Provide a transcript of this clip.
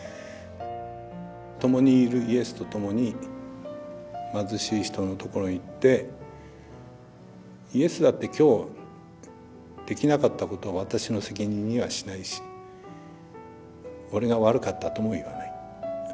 ともにいるイエスとともに貧しい人のところに行ってイエスだって今日できなかったことを私の責任にはしないし俺が悪かったとも言わない。